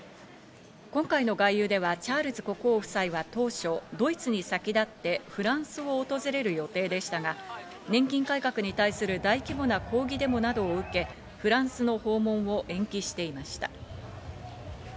今回の外遊ではチャールズ国王夫妻は当初、ドイツに先立ってフランスを訪れる予定でしたが、年金改革に対する大規模な抗議デモなどを受け、フランスの訪問を延期していました。